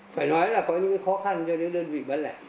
phải nói là có những khó khăn cho đơn vị bán lại